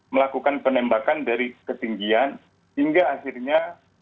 melakukan penembakan dari ketinggian hingga akhirnya